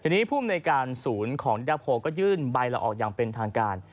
ทีนี้ภูมิในการศูนย์ของนิดาโพก็ยื่นใบละออกอย่างเป็นทางการ